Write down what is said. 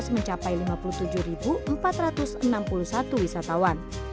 mencapai lima puluh tujuh empat ratus enam puluh satu wisatawan